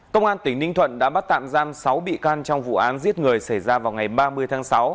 công an tỉnh ninh thuận đã bắt tạm giam sáu bị can trong vụ án giết người xảy ra vào ngày ba mươi tháng sáu